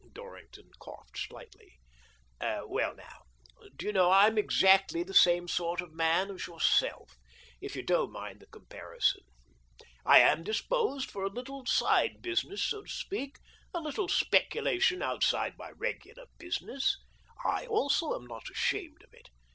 Dorrington coughed slightly. "Well now, do yon know, I am exactly the same sort of man as yourself — if you don't mind the comparison. I am disposed for a little side flutter, so to speak — a little speculation outside my regular business. I also am not ashamed of it.